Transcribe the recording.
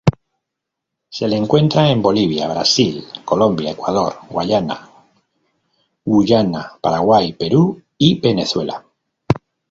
Se le encuentra en Bolivia, Brasil, Colombia, Ecuador, Guayana, Guyana, Paraguay, Perú, y Venezuela.